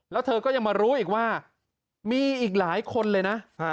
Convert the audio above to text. แล้วเธอก็ยังมารู้อีกว่ามีอีกหลายคนเลยนะ